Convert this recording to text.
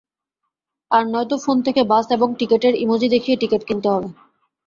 আর নয়ত ফোন থেকে বাস এবং টিকেটের ইমোজি দেখিয়ে টিকেট কিনতে হত।